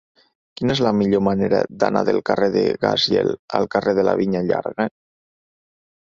Quina és la millor manera d'anar del carrer de Gaziel al carrer de la Vinya Llarga?